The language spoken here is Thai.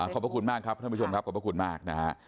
ขอบพระคุณมากครับท่านผู้ชมครับ